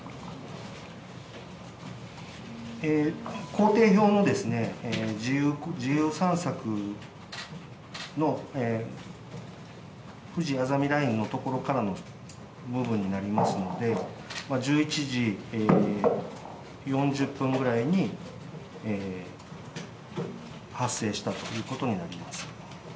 行程表の自由散策のふじあざみラインの所からの部分になりますので、１１時４０分ぐらいに発生したということになります。